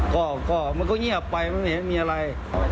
ก็เงียบไปไม่เห็นมีอะไร